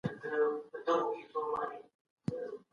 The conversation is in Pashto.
تاریخ د تعصب له زاویې څخه مه لولئ.